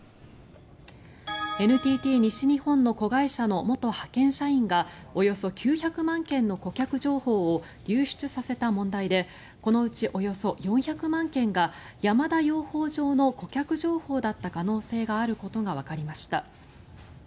ＮＴＴ西日本の子会社の元派遣社員がおよそ９００万件の顧客情報を流出させた問題でこのうちおよそ４００万件が山田養蜂場の顧客情報だった可能性があることがわかりました。